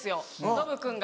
ノブ君が。